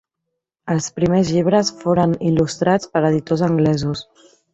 Els primers llibres foren il·lustrats per editors anglesos.